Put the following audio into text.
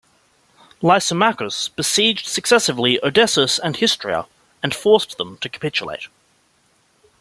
Lysimachus besieged successively Odessus and Histria and forced them to capitulate.